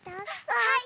はい。